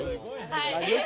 はい。